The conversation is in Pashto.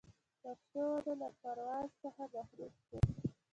پر شنو ونو له پرواز څخه محروم سو